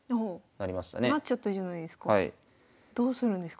なっちゃったじゃないですか。